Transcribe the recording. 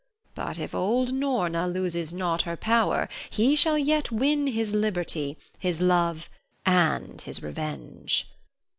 But, if old Norna loses not her power, he shall yet win his liberty, his love, and his revenge.